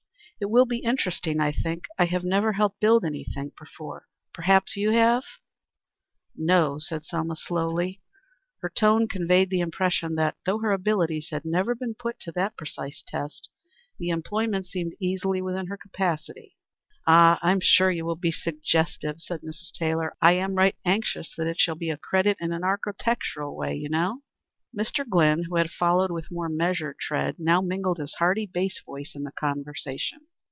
"It will be interesting, I think. I have never helped build anything before. Perhaps you have?" "No," said Selma slowly. Her tone conveyed the impression that, though her abilities had never been put to that precise test, the employment seemed easily within her capacity. "Ah! I am sure you will be suggestive" said Mrs. Taylor. "I am right anxious that it shall be a credit in an architectural way, you know." Mr. Glynn, who had followed with more measured tread, now mingled his hearty bass voice in the conversation.